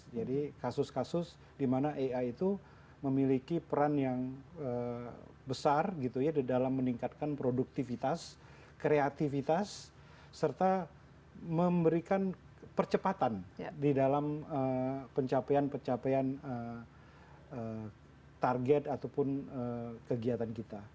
jadi kasus kasus di mana ai itu memiliki peran yang besar gitu ya di dalam meningkatkan produktivitas kreativitas serta memberikan percepatan di dalam pencapaian pencapaian target ataupun kegiatan kita